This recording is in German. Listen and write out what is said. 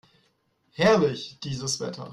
Herrlich, dieses Wetter!